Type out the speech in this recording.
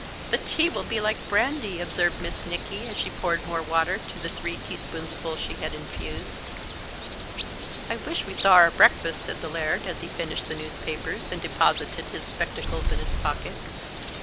"The tea will be like brandy," observed Miss Nicky, as she poured more water to the three teaspoonfuls she had infused. "I wish we saw our breakfast," said the Laird, as he finished the newspapers, and deposited his spectacles in his pocket.